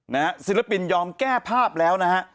ศิลปินยอมแก้ภาพแล้วนะฮะ